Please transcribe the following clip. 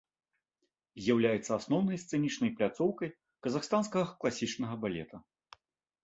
З'яўляецца асноўнай сцэнічнай пляцоўкай казахстанскага класічнага балета.